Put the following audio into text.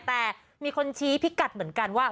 แต่มีคนชี้พิกัดเหมือนกันว่า